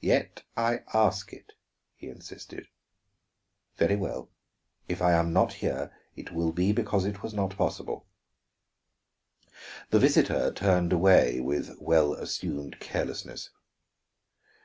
"Yet I ask it," he insisted. "Very well. If I am not here it will be because it was not possible." The visitor turned away with well assumed carelessness.